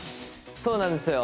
そうなんですよ